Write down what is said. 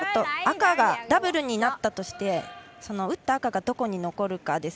赤がダブルになったとして打った赤がどこに残るか。